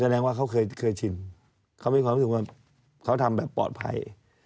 แสดงว่าเขาเคยชินเขามีความรู้สึกว่าเขาทำแบบปลอดภัย